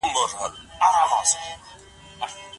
که ايډيالوژي استبدادي وي خلګ زيان ويني.